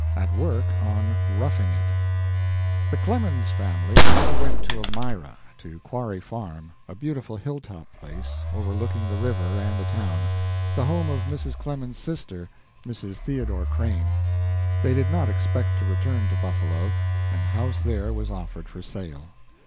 AT WORK ON "ROUGHING IT" The Clemens family now went to Elmira, to Quarry Farm a beautiful hilltop place, overlooking the river and the town the home of Mrs. Clemens's sister, Mrs. Theodore Crane. They did not expect to return to Buffalo, and the house there was offered for sale.